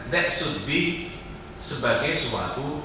that should be sebagai suatu